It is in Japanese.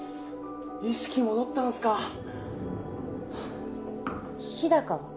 意識戻ったんすか日高は？